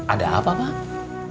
ada apa pak